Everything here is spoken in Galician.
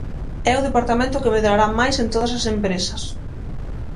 É o departamento que medrará máis en todas as empresas.